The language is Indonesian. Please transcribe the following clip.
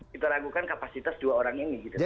kita ragukan kapasitas dua orang ini